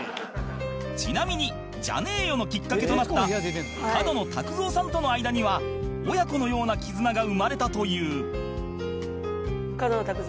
ちなみに「じゃねーよ」のきっかけとなった角野卓造さんとの間には親子のような絆が生まれたという